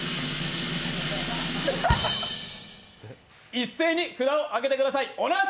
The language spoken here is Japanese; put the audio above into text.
一斉に札を挙げてください。